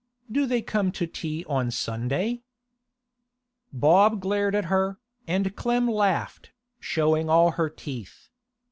Do they come to tea on a Sunday?' Bob glared at her, and Clem laughed, showing all her teeth.